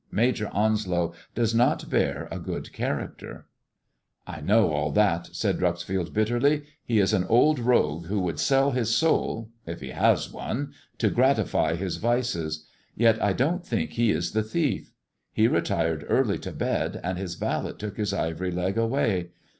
Major Onslow does not bear a good tiaracter." S54 THE IVORY LEG AND THE WAMONBS " I know all that," said Dreuxfield bitterly ;*^ he is an old rogue who would sell his soul — if he has one — ^to gratify his vices. Yet I don't think he is the thief. He retired early to bed, and his valet took his ivory leg away.